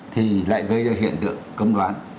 thì lại gây ra hiện tượng cấm đoán